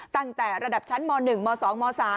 ตั้งแต่ระดับชั้นม๑ม๒ม๓